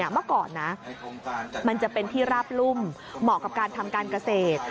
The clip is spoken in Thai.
เมื่อก่อนนะมันจะเป็นที่ราบรุ่มเหมาะกับการทำการเกษตร